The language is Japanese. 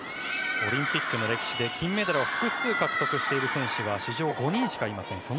オリンピックの歴史で金メダルを複数獲得している選手は史上５人しかいません。